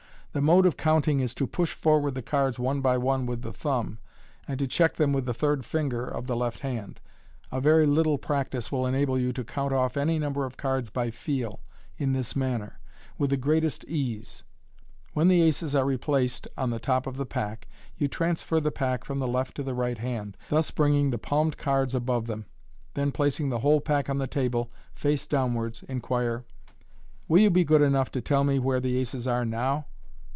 The mode of counting is to push forward the cards one by one with the thumb, and to check them with the third finger, of the left hand. A very little practice will enable you to count off any number of cards by feel, in this manner, with the greatest ease When the aces are replaced on the top of the pack, you transfer the pack from the left to the right hand, thus bringing the palmed cards above them, then placing the whole pack on the table, face down wards, inquire, •* Will you be good enough to tell me where the aces are now?"